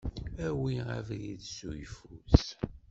Awi abrid s uyeffus.